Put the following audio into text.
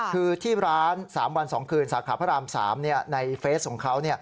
คือที่ร้าน๓วัน๒คืนสาขาพระราม๓ในเฟสของเขา